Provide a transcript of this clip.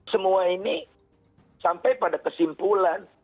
semua ini sampai pada kesimpulan